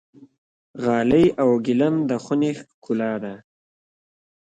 قالي او ګلیم د خونې ښکلا ده.